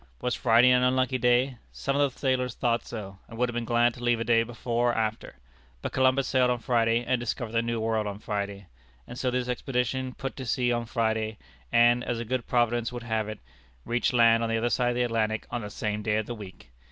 Was Friday an unlucky day? Some of the sailors thought so, and would have been glad to leave a day before or after. But Columbus sailed on Friday, and discovered the New World on Friday; and so this expedition put to sea on Friday, and, as a good Providence would have it, reached land on the other side of the Atlantic on the same day of the week!